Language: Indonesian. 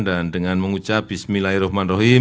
dan dengan mengucap bismillahirrahmanirrahim